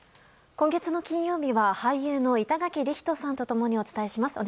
今月の金曜日は俳優の板垣李光人さんと共にお伝えします。